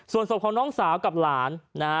ส่วนศพของน้องสาวกับหลานนะฮะ